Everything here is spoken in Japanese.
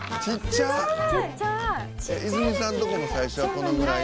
「ちっちゃい」「泉さんのとこも最初はこのぐらい？」